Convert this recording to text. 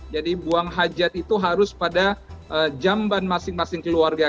jadi buang hajat itu harus pada jamban masing masing keluarga